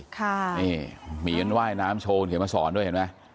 โอเคนี่หมีมันไหว้น้ำโชนเขียนมาสอนด้วยเห็นไหม